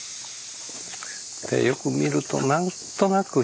よく見ると何となく。